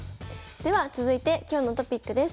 では続いて今日のトピックです。